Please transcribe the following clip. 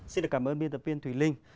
xin cảm ơn biên tập viên thùy linh